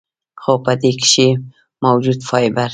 خو پۀ دې کښې موجود فائبر ،